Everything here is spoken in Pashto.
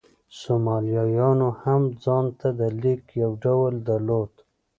سومالیایانو هم ځان ته د لیک یو ډول درلود.